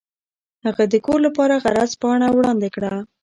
هغه د کور لپاره عرض پاڼه وړاندې کړه.